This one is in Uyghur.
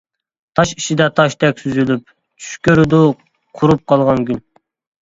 تاش ئىچىدە تاشتەك سۈزۈلۈپ، چۈش كۆرىدۇ قۇرۇپ قالغان گۈل.